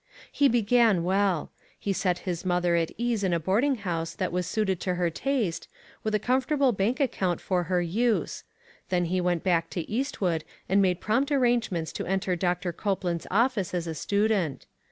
He began well. He sat his mother at ease in a boarding house that was suited to her taste, with a comfortable bank account for her use ; then he went back to Eastwood and made prompt arrangements to enter Doctor Copeland's office as a student.